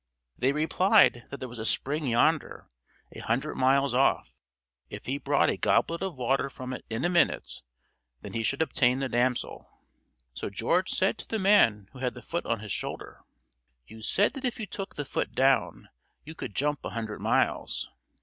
They replied that there was a spring yonder, a hundred miles off; if he brought a goblet of water from it in a minute, then he should obtain the damsel. So George said to the man who had the foot on his shoulder: "You said that if you took the foot down, you could jump a hundred miles."